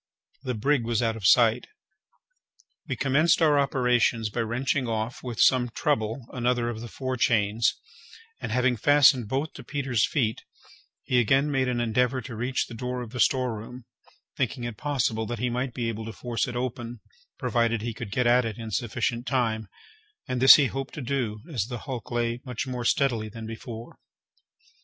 The brig was out of sight. We commenced our operations by wrenching off, with some trouble, another of the forechains; and having fastened both to Peters' feet, he again made an endeavour to reach the door of the storeroom, thinking it possible that he might be able to force it open, provided he could get at it in sufficient time; and this he hoped to do, as the hulk lay much more steadily than before.